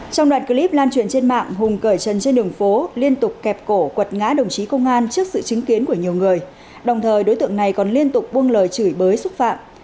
trong đoạn clip lan truyền trên mạng hùng cởi chân trên đường phố liên tục kẹp cổ quật ngã đồng chí công an trước sự chứng kiến của nhiều người đồng thời đối tượng này còn liên tục buông lời chửi bới xúc phạm